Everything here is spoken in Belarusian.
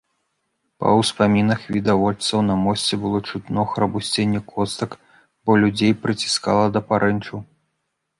Па ўспамінах відавочцаў, на мосце было чутно храбусценне костак, бо людзей прыціскала да парэнчаў.